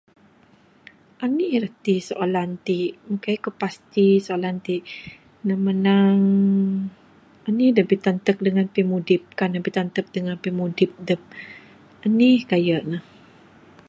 Anih rati soalan ti'k? Ng kai'k ku pasti soalan ti'k. Ne manang, anih da bitanteh dengan pimudip, kan ne bitanteh dengan pimudip dup. Anih kah ye ne?